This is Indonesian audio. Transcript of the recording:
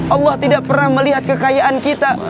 allah tidak pernah melihat kekayaan kita